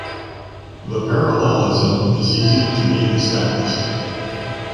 The parallelism is easy to be established